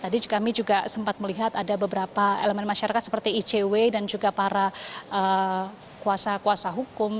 tadi kami juga sempat melihat ada beberapa elemen masyarakat seperti icw dan juga para kuasa kuasa hukum